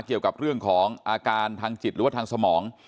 เกี่ยวกับเรื่องของอาการทางจิตหรือว่าทางสมอง